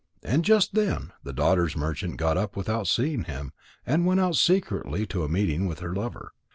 And just then the merchant's daughter got up without seeing him, and went out secretly to a meeting with her lover.